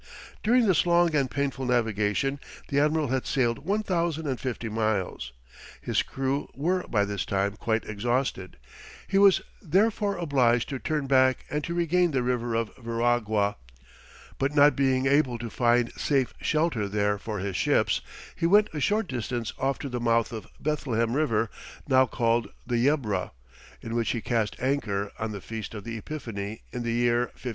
During this long and painful navigation, the admiral had sailed one thousand and fifty miles. His crews were by this time quite exhausted; he was therefore obliged to turn back and to regain the river of Veragua, but not being able to find safe shelter there for his ships, he went a short distance off to the mouth of Bethlehem river, now called the Yebra, in which he cast anchor on the feast of the Epiphany in the year 1503.